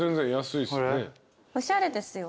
おしゃれですよ。